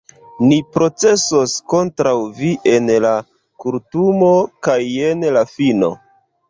ni procesos kontraŭ vi en la kortumo, kaj jen la fino.